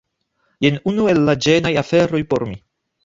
Jen unu el la ĝenaj aferoj por mi